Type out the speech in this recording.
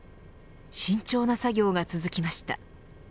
慎重な作業が続きました。